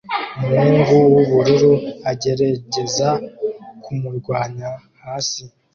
umuhungu wubururu agerageza kumurwanya hasi